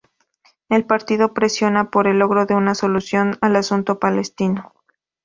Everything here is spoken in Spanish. El partido presiona por el logro de una solución al asunto palestino.